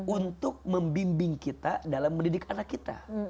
untuk membimbing kita dalam mendidik anak kita